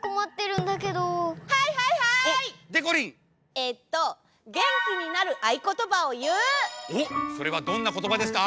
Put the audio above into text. えっとおっそれはどんなことばですか？